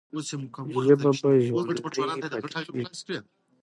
ژبه به ژوندۍ پاتې کېږي.